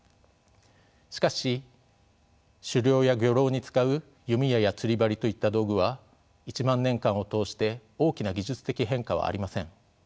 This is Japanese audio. しかし狩猟や漁労に使う弓矢や釣り針といった道具は１万年間を通して大きな技術的変化はありません。